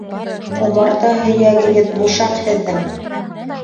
Умарта һөйәгегеҙ бушаҡ һеҙҙең!